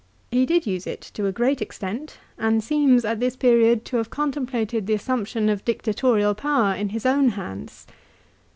He did use it to a great extent, and seems at this period to have contemplated the assump tion of dictatorial power in his own hands.